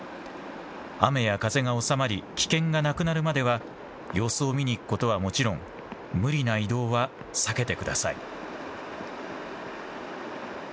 雨風がおさまり危険がなくなるまでは様子を見に行くことはもちろん無理な移動は避けてください。